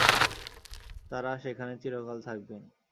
তারা সেখানে চিরকাল থাকবেন।